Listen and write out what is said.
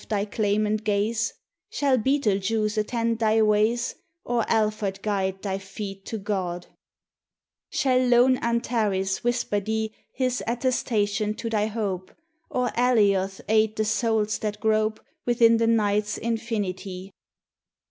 thy claimant gaze? Shall Betelgeuse attend thy ways, Or Alphard guide thy feet to God? 77 THE TESTIMONY OF THE SUNS. Shall lone Antares whisper thee His attestation to thy hope, Or Alioth aid the souls that grope Within the Night's infinity?